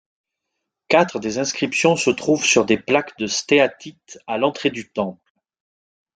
Quatre des inscriptions se trouvent sur des plaques de stéatite à l'entrée du temple.